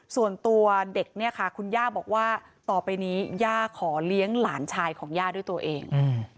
ส่วนตัวเด็กเนี่ยค่ะคุณย่าบอกว่าต่อไปนี้ย่าขอเลี้ยงหลานชายของย่าด้วยตัวเอง